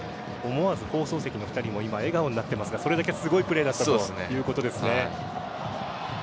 思わず放送席の２人も笑顔になっていますがそれだけすごいプレーだということですね。